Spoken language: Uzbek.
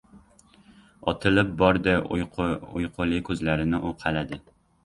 Otilib bordi. Uyquli ko‘zlarini uqaladi.